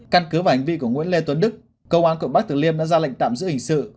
căn cứ và hành vi của nguyễn lê tuấn đức cơ quan cộng bác tường liêm đã ra lệnh tạm giữ hình sự